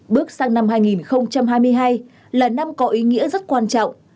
bước sang năm hai nghìn hai mươi hai là năm có ý nghĩa rất quan trọng